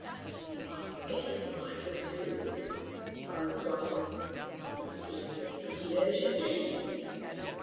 "We must go, I suppose," I replied. "It seems a pretty urgent case."